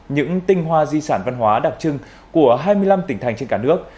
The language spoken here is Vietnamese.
những tinh hoa di sản văn hóa đặc trưng của hai mươi năm tỉnh thành trên cả nước